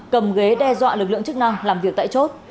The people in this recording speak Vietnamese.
cầm ghế đe dọa lực lượng chức năng làm việc tại chốt